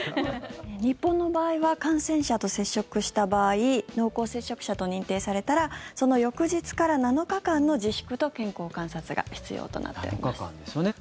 日本の場合は感染者と接触した場合濃厚接触者と認定されたらその翌日から７日間の自粛と７日間ですよね。